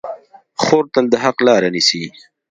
خور تل د حق لاره نیسي.